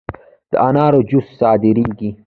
د انارو جوس صادریږي؟